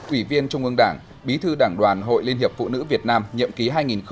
ủy viên trung ương đảng bí thư đảng đoàn hội liên hiệp phụ nữ việt nam nhậm ký hai nghìn một mươi hai nghìn hai mươi bốn